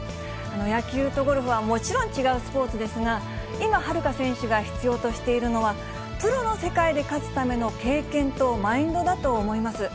野球とゴルフは、もちろん違うスポーツですが、今、遥加選手が必要としているのは、プロの世界で勝つための経験とマインドだと思います。